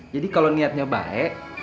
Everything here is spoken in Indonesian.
jadi kalau niatnya baik